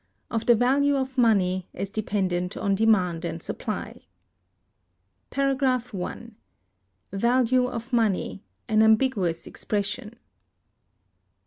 Of The Value Of Money, As Dependent On Demand And Supply. § 1. Value of Money, an ambiguous expression.